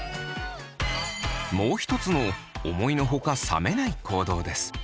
もう一つの思いのほか冷めない行動です。